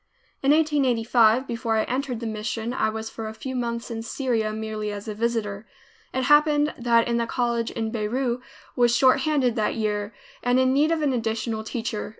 In 1885, before I entered the mission, I was for a few months in Syria, merely as a visitor. It happened that the College in Beirut was short handed that year, and in need of an additional teacher.